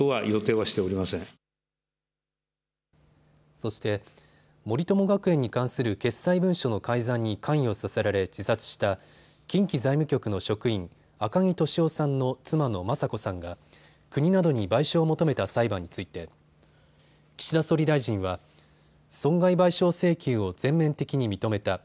そして森友学園に関する決裁文書の改ざんに関与させられ自殺した近畿財務局の職員、赤木俊夫さんの妻の雅子さんが国などに賠償を求めた裁判について岸田総理大臣は損害賠償請求を全面的に認めた。